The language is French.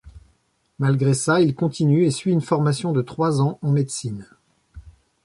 Malgré ça, il continue et suit une formation de trois ans en médecine.